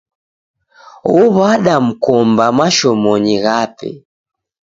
Ow'ada mkomba mashomonyi ghape.